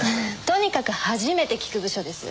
とにかく初めて聞く部署です。